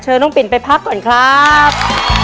น้องปิ่นไปพักก่อนครับ